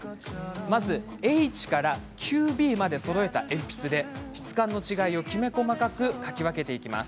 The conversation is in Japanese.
まず、Ｈから９Ｂまでそろえた鉛筆で質感の違いをきめ細かく描き分けます。